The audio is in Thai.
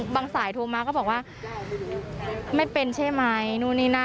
สายโทรมาก็บอกว่าไม่เป็นใช่ไหมนู่นนี่นั่น